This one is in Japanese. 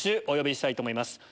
お呼びしたいと思います。